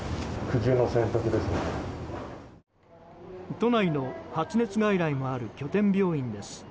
都内の発熱外来のある拠点病院です。